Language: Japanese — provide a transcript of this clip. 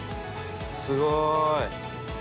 すごーい！